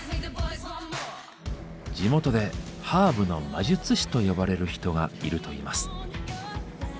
地元で「ハーブの魔術師」と呼ばれる人がいるといいます。